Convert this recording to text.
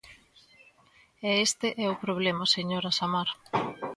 E este é o problema, señora Samar.